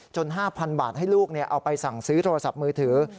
จนตาย๕๐๐๐บาทออกไปเรียนรถทีมือถือ